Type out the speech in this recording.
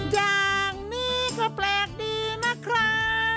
อย่างนี้ก็แปลกดีนะครับ